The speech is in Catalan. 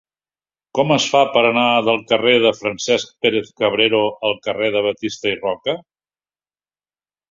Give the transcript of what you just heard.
Com es fa per anar del carrer de Francesc Pérez-Cabrero al carrer de Batista i Roca?